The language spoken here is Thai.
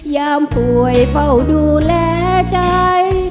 ยามป่วยเฝ้าดูแลใจ